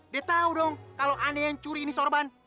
dia tau dong kalau aneh yang curi ini sorban